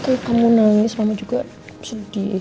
oke kamu nangis mama juga sedih